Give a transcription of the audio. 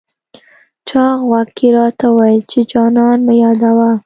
چا غوږ کي راته وويل، چي جانان مه يادوه